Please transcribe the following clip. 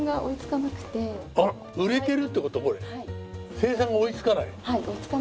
生産が追いつかないの？